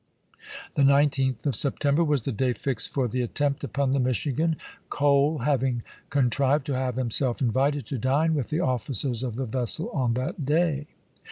The 19 th of September was the day fixed for the i864. attempt upon the Michigan, Cole having contrived to have himself invited to dine with the officers of the vessel on that day.